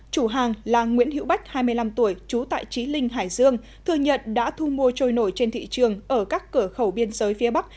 chủ hàng là nguyễn hữu bách hai mươi năm tuổi trú tại trí linh hải dương thừa nhận đã thu mua trôi nổi trên thị trường ở các cửa khẩu biên giới phía bắc